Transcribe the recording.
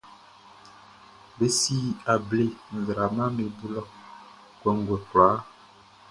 Be si able nzraamaʼm be bo lɔ kɔnguɛ kwlaa.